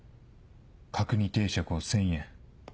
角煮定食を１０００円。